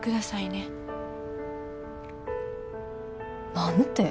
何て？